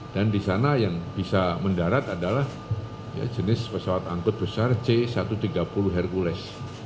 dan di sana yang bisa mendarat adalah jenis pesawat angkut besar c satu ratus tiga puluh hercules